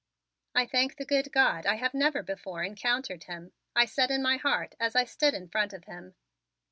"I thank the good God I have never before encountered him," I said in my heart as I stood in front of him.